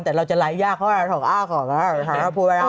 แต่เราจะไลฟ์ยากเขาอ่ะถอดอ้าถอดอ้าถอดอ้าถอดอ้าพูดว่าได้